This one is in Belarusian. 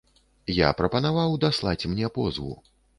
Я прапанаваў даслаць мне позву.